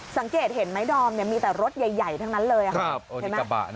สังเกตเห็นไหมดอมเนี่ยมีแต่รถใหญ่ทั้งนั้นเลยอะค่ะ